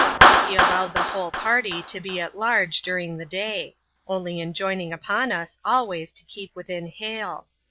He allowed the whole party to be at large during the day ; only enjoining upon us always to keep within hail.